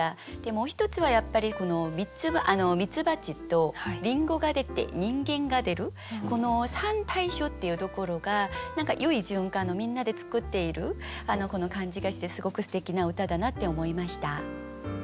もう一つはやっぱりミツバチとリンゴが出て人間が出るこの３たいしょっていうところが何かよい循環のみんなで作っている感じがしてすごくすてきな歌だなって思いました。